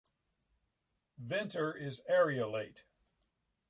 Venter is areolate.